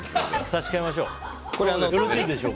差し替えましょう。